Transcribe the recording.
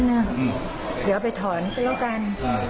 เดี๋ยวไปถอนเตรียวกัน